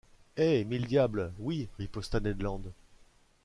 Eh ! mille diables ! oui, riposta Ned Land.